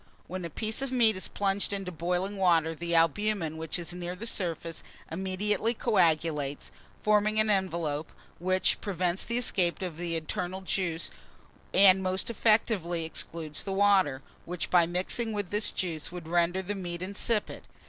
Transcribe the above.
When a piece of meat is plunged into boiling water, the albumen which is near the surface immediately coagulates, forming an envelope, which prevents the escape of the internal juice, and most effectually excludes the water, which, by mixing with this juice, would render the meat insipid.